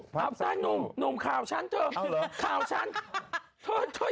พักสักลูนุ่มนุ่มข่าวฉันเถอะข่าวฉันเถอะเถอะเถอะยัง